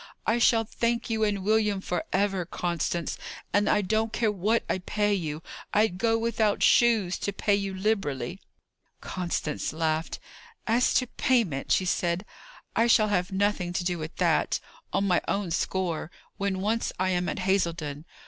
I shall thank you and William for ever, Constance; and I don't care what I pay you. I'd go without shoes to pay you liberally." Constance laughed. "As to payment," she said, "I shall have nothing to do with that, on my own score, when once I am at Hazledon.